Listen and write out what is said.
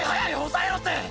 抑えろって！